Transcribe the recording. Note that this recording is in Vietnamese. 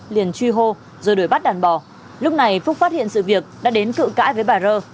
liền truy hô rồi đuổi bắt đàn bò lúc này phúc phát hiện sự việc đã đến cự cãi với bà rơ